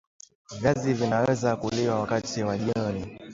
Viazi vinaweza kuliwa wakati wa jioni